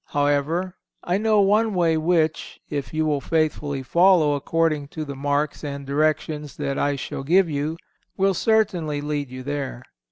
However, I know one way which, if you will faithfully follow according to the marks and directions that I shall give you, will certainly lead you there.